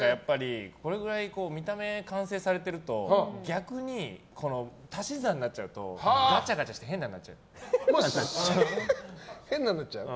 これぐらい見た目が完成されてると逆に、足し算になっちゃうとガチャガチャして変なんになっちゃう。